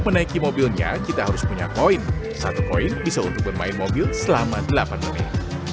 menaiki mobilnya kita harus punya koin satu koin bisa untuk bermain mobil selama delapan menit